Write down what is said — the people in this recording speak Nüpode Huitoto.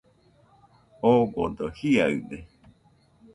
Odogo jiaɨde